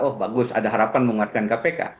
oh bagus ada harapan menguatkan kpk